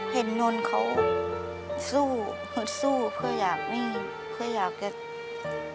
เห็นนนท์เขาสู้ฮึดสู้เพื่ออยากหนี้เพื่ออยากจะ